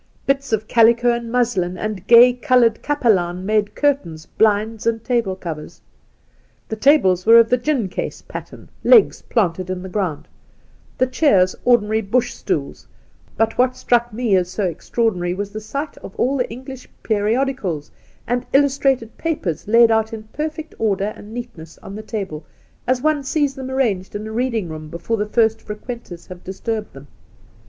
Bits of calico and muslin and gay coloured kapelaan made curtains, blinds, and table covers. The tables were of the gin case pattern, legs planted in the grouiid ; the chairs ordinary Bush stools ; but what sttuck The Outspan 21 me as so extraordinary was the sight of all the English periodicals and illustrated papers laid out in perfect order and neatness on the table, as one sees them arranged in a reading room before the first frequenters have disturbed them.